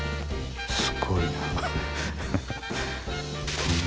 すごいな。